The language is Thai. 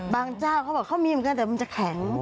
เจ้าเขาบอกเขามีเหมือนกันแต่มันจะแข็ง